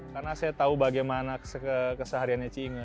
karena saya tahu bagaimana kesehariannya si inge